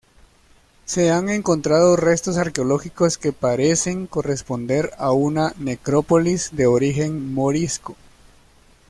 Se han encontrado restos arqueológicos que parecen corresponder a una necrópolis de origen morisco.